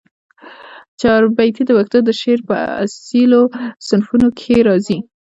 چاربیتې د پښتو د شعر په اصیلو صنفونوکښي راځي